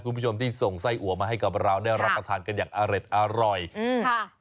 คุณผู้ชมที่ส่งไส้อัวมาให้กับเราได้รับประทานกันอย่างอร่อยอืมค่ะ